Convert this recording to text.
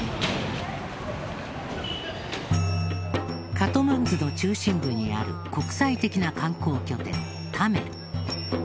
カトマンズの中心部にある国際的な観光拠点タメル。